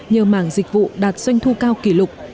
nhờ mảng dịch vụ đạt doanh thu cao kỷ lục